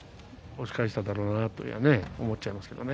押し返したんだろうなと思いますが。